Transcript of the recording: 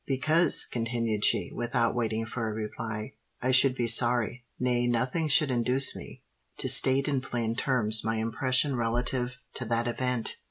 "Because," continued she, without waiting for a reply, "I should be sorry—nay, nothing should induce me—to state in plain terms my impression relative to that event.